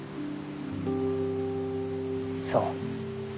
そう。